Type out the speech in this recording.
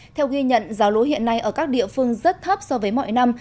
theo ghi nhận giá lúa hiện nay ở các địa phương rất thấp so với mọi năm